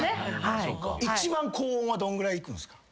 一番高音はどんぐらいいくんすか？